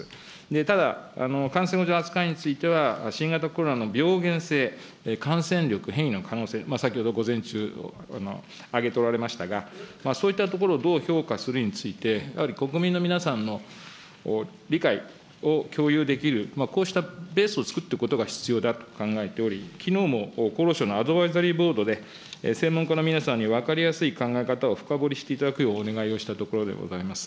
ただ、感染症法上の扱いについては、新型コロナの病原性、感染力、変異の可能性、先ほど午前中挙げておられましたが、そういったところを、どう評価するかについて、やはり国民の皆さんの理解を共有できる、こうしたベースを作っておくことが必要であると考えており、きのうも厚労省のアドバイザリーボートで専門家の皆さんに分かりやすい考え方を深掘りしていただくようお願いをしたところでございます。